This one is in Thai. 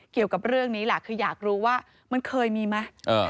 เกี่ยวกับเรื่องนี้แหละคืออยากรู้ว่ามันเคยมีไหม